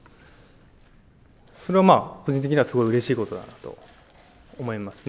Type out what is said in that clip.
それはまあ個人的にはすごいうれしいことだなと思いますね。